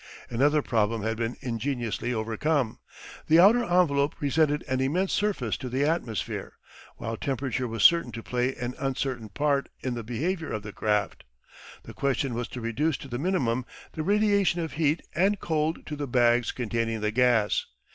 Another problem had been ingeniously overcome. The outer envelope presented an immense surface to the atmosphere, while temperature was certain to play an uncertain part in the behaviour of the craft. The question was to reduce to the minimum the radiation of heat and cold to the bags containing the gas.